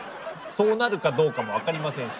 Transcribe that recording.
そうなるかどうかも分かりませんし。